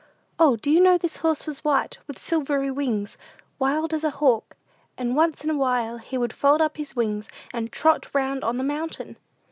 O, do you know this horse was white, with silvery wings, wild as a hawk; and, once in a while, he would fold up his wings, and trot round on the mountain!"